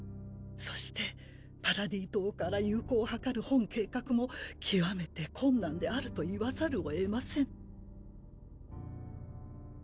そしてパラディ島から友好を図る本計画も極めて困難であると言わざるを得ません。